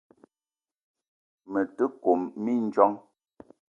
Me te kome mindjong.